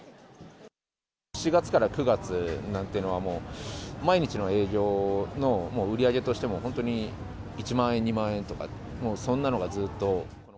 ７月から９月なんていうのは、もう、毎日の営業の売り上げとしても本当に１万円、２万円とか、もうそんなのがずっと。